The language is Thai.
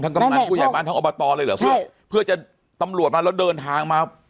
กำนันผู้ใหญ่บ้านทั้งอบตเลยเหรอเพื่อเพื่อจะตำรวจมาแล้วเดินทางมา